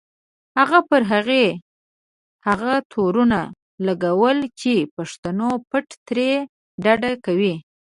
خو پر هغې هغه تورونه لګول چې پښتون پت ترې ډډه کوي.